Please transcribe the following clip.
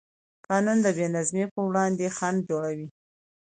قانون د بېنظمۍ پر وړاندې خنډ جوړوي.